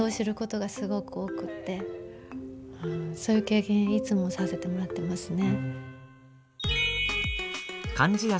そういう経験いつもさせてもらってますね。